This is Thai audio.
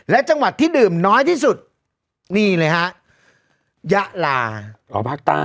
และจังหวัดที่ดื่มน้อยที่สุดนี่เลยฮะยะลาอ๋อภาคใต้